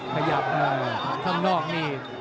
ขยับมาข้างนอกนี่